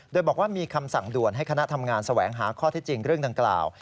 โดยบอกว่ามีคำสั่งด่วนให้คณะทำงานแสวงหาข้อที่จริงเรื่องดังกล่าว